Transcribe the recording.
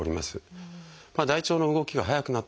大腸の動きが速くなった